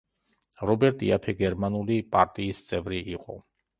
რობერტ იაფე გერმანული პარტიის წევრი იყო.